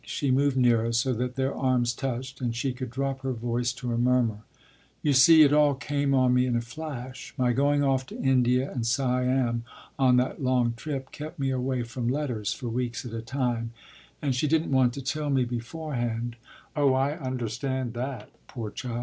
She moved nearer, so that their arms touched, and she could drop her voice to a murmur. “You see, it all came on me in a flash. My going off to India and Siam on that long trip kept me away from letters for weeks at a time; and she didn’t want to tell me beforehand oh, I understand that, poor child!